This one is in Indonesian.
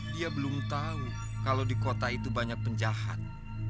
dia belum tahu kalau di kota itu banyak penjahat